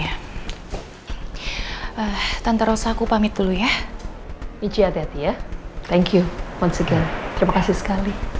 hati hati ya thank you once again terima kasih sekali